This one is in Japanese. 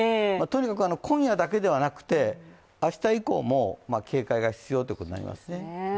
とにかく今夜だけではなくて明日以降も警戒が必要ということになりますね